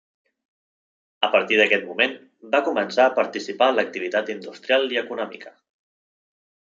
A partir d'aquest moment va començar a participar en l'activitat industrial i econòmica.